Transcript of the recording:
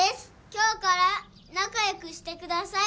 今日から仲良くしてください。